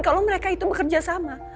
kalau mereka itu bekerja sama